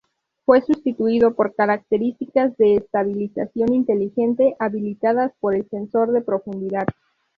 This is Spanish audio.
Fue sustituido por características de "estabilización inteligente" habilitadas por el sensor de profundidad.